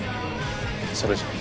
それじゃあ。